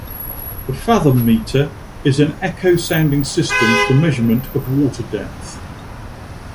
The fathometer is an echo sounding system for measurement of water depth.